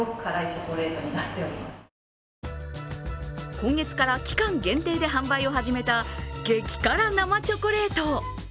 今月から期間限定で販売を始めた激辛生チョコレート。